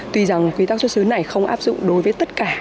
tuy rằng quy tắc xuất xứ này không áp dụng đối với tất cả